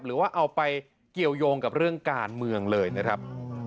หรือว่าเอาไปเกี่ยวยงกับเรื่องการเมืองเลยนะครับ